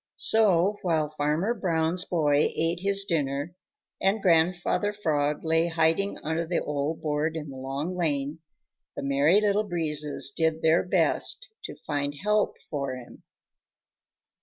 So while Farmer Brown's boy ate his dinner, and Grandfather Frog lay hiding under the old board in the Long Lane, the Merry Little Breezes did their best to find help for him.